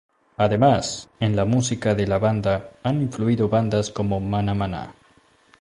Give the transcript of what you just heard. Además, en la música de la banda han influido bandas como Mana Mana.